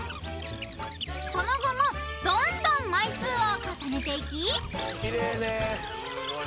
［その後もどんどん枚数を重ねていき］